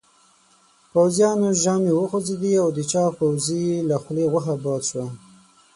پوځيانو ژامې وخوځېدې او د چاغ پوځي له خولې غوښه باد شوه.